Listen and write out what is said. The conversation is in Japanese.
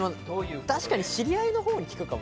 知り合いのほうに聞くかも。